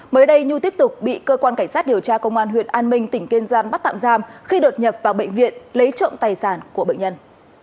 mới đây nhu tiếp tục bị cơ quan cảnh sát điều tra công an huyện an minh tỉnh kiên giang bắt tạm giam khi đột nhập vào bệnh viện lấy trộm tài sản của bệnh nhân